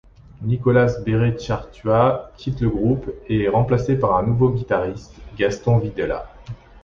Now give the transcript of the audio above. Nicolás Bereciartúa quitte le groupe et est remplacé par un nouveau guitariste, Gaston Videla.